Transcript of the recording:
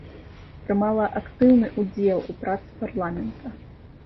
Прымала актыўны ўдзел у працы парламента.